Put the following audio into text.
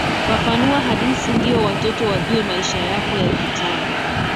Fafanua hadithi ndio watoto wajue maisha yako ya kitambo.